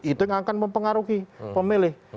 itu yang akan mempengaruhi pemilih